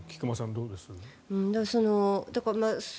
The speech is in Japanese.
どうです？